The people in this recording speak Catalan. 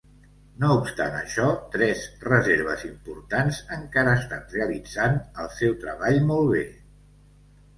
No obstant això, tres reserves importants encara estan realitzant el seu treball molt bé.